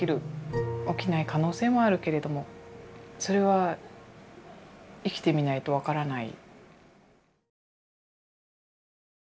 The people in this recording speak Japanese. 起きない可能性もあるけれどもそれは生きてみないと分からない。